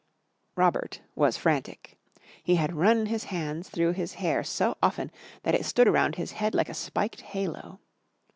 Robert was frantic. He had run his hands through his hair so often that it stood around his head like a spiked halo.